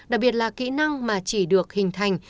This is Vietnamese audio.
đặc biệt là kỹ năng mà chỉ được hình thành